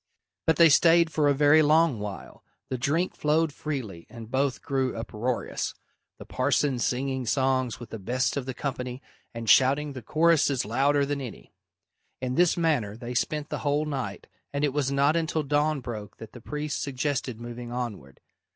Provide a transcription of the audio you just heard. But they stayed for a very long while. The drink flowed freely and both grew uproarious, the parson singing songs with the best of the company and shouting the choruses louder than any. In this manner they spent the whole night, and it was not until dawn broke that the priest suggested moving onward.